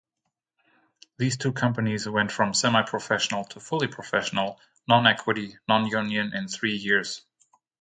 These two companies went from semi-professional to fully professional, non-Equity, non-union in three years.